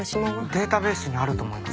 データベースにあると思います。